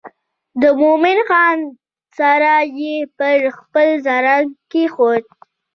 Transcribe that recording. د مومن خان سر یې پر خپل زنګانه کېښود.